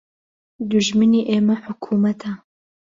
دوژمنی ئێمە حکومەتە